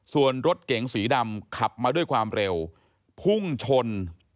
ส่วนรถเก๋งสีดำขับมาด้วยความเร็วพุ่งชน